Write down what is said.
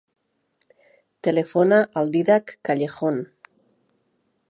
Telefona al Dídac Callejon.